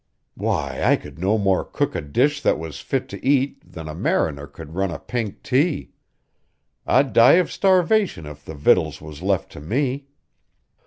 "Why, I could no more cook a dish that was fit to eat than a mariner could run a pink tea. I'd die of starvation if the victuals was left to me.